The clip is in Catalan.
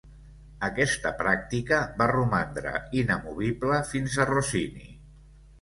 Aquesta pràctica va romandre inamovible fins a Rossini.